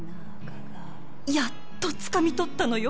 やっとつかみ取ったのよ